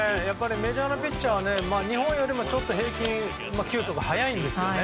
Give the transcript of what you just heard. メジャーのピッチャーは日本よりもちょっと平均球速が速いんですね。